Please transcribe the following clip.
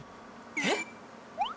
えっ？